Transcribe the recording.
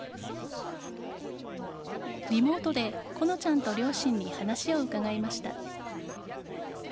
リモートで好乃ちゃんと両親に話を伺いました。